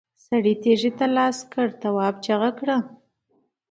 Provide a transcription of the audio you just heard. سړي تېږې ته لاس کړ، تواب چيغه کړه!